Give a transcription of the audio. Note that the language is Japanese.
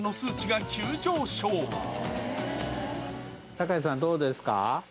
酒井さん、どうですか？